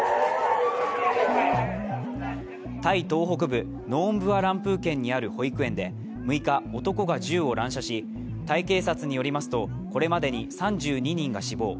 タイ東北部、ノーンブアランプー県にある保育園で６日、男が銃を乱射し、タイ警察によりますとこれまでに３２人が死亡。